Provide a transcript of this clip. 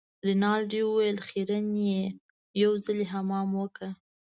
رینالډي وویل خیرن يې یو ځلي حمام وکړه.